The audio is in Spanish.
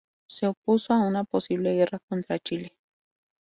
Se opuso a una posible guerra contra Chile.